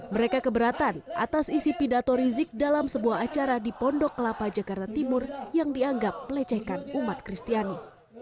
mereka keberatan atas isi pidato rizik dalam sebuah acara di pondok kelapa jakarta timur yang dianggap pelecehkan umat kristiani